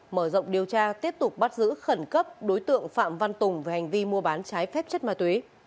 mở rộng điều tra tiếp tục bắt giữ khẩn cấp đối tượng phạm văn tùng về hành vi mua bán trái phép chất ma túy